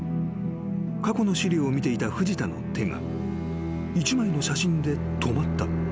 ［過去の資料を見ていた藤田の手が１枚の写真で止まった］